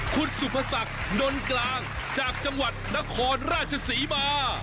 คุณสุภศักดิ์ดนนกลางจากจังหวัดนครราชศรีมา